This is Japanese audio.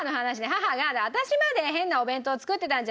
母が「私まで変なお弁当を作ってたんじゃないか？